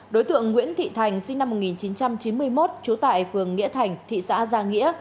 đối tượng nguyễn thị thành sinh năm một nghìn chín trăm chín mươi một trú tại phường nghĩa thành thị xã gia nghĩa